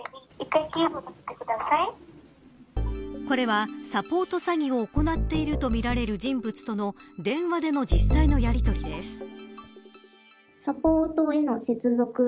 これはサポート詐欺を行っているとみられる人物との電話での実際のやりとりです。